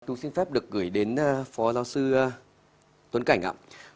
tôi xin phép được gửi đến phó giáo sư tuấn cảnh ạ